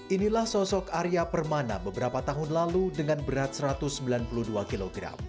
inilah sosok arya permana beberapa tahun lalu dengan berat satu ratus sembilan puluh dua kg